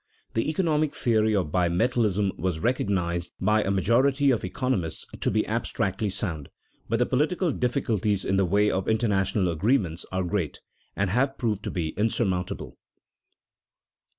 The economic theory of bimetallism was recognized by a majority of economists to be abstractly sound, but the political difficulties in the way of international agreements are great, and have proved to be insurmountable.